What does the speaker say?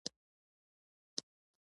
ماشه يې کش کړه.